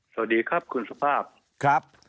สวัสดีครับคุณสุภาพครับ